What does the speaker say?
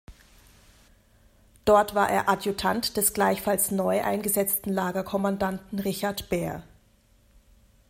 Dort war er Adjutant des gleichfalls neu eingesetzten Lagerkommandanten Richard Baer.